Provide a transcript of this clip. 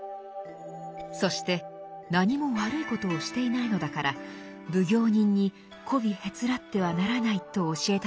そして何も悪いことをしていないのだから奉行人にこびへつらってはならないと教えたのです。